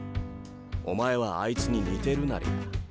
お前はあいつに似てるナリャ。